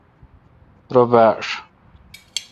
رو باݭ